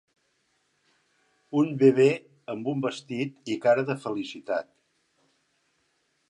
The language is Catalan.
Un bebè amb un vestit i cara de felicitat.